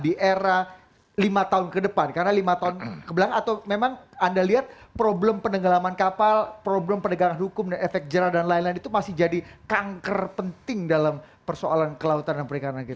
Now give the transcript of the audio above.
di era lima tahun ke depan karena lima tahun kebelakang atau memang anda lihat problem penenggelaman kapal problem penegakan hukum dan efek jerah dan lain lain itu masih jadi kanker penting dalam persoalan kelautan dan perikanan kita